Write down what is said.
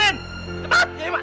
pak adiknya jatuh